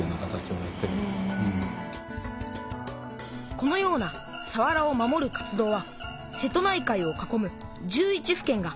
このようなさわらを守る活動は瀬戸内海を囲む１１